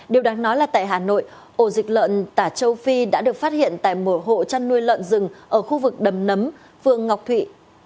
điều đáng nói là tại hà nội ổ dịch lợn tả châu phi đã được phát hiện tại một hộ chăn nuôi lợn rừng ở khu vực đầm nấm phường ngọc thụy